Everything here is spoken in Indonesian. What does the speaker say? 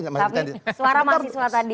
tapi suara mahasiswa tadi